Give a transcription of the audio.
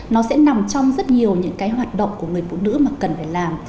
nó sẽ nằm trong rất nhiều những cái hoạt động của người phụ nữ mà cần phải làm